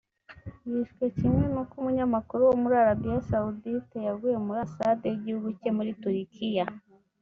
yishwe kimwe n’uko umunyamakuru wo muri Arabie Saoudite yaguye muri Ambasade y’igihugu cye muri Turikiya